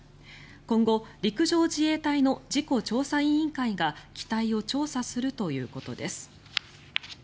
今後、陸上自衛隊の事故調査委員会が機体を調査するということです。